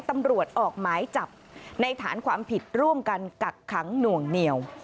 ตำรวจออกหมายจับในฐานความผิดร่วมกันกักขังหน่วงเหนียว